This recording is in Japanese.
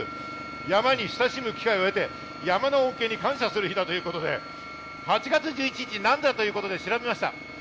山に親しむ機会を得て、山の恩恵に感謝する日ということで８月１１日なんだと調べました。